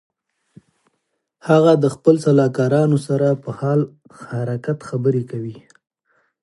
هغه د خپلو سلاکارانو سره په حال حرکت خبرې کوي.